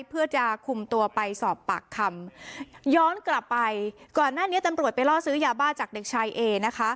เพื่อจะคุมตัวไปสอบปากคำย้อนกลับไปก่อนหน้านี้ตำรวจไปล่อซื้อยาบ้าจากเด็กชายเอนะคะ